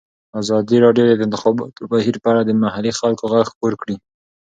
ازادي راډیو د د انتخاباتو بهیر په اړه د محلي خلکو غږ خپور کړی.